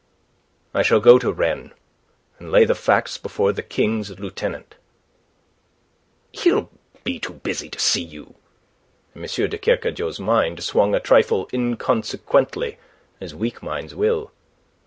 "I shall go to Rennes, and lay the facts before the King's Lieutenant." "He'll be too busy to see you." And M. de Kercadiou's mind swung a trifle inconsequently, as weak minds will.